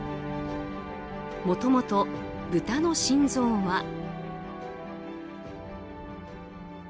もともと、ブタの心臓は。